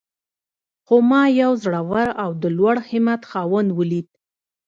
خو ما يو زړور او د لوړ همت خاوند وليد.